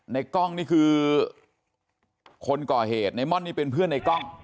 ในกล้องนี่คือคนก่อเหตุในม่อนนี่เป็นเพื่อนในกล้อง